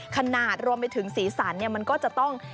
ขนาดรวมไปถึงสีสันมันก็จะต้อง